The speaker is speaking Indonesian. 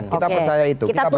kita percaya itu kita berdoa